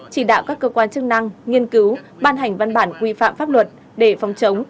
chỉ đạo các cơ quan chức năng nghiên cứu ban hành văn bản quy phạm pháp luật để phòng chống